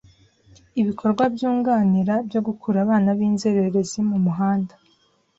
ibikorwa byunganirana byo gukura abana b’inzererezi mu muhanda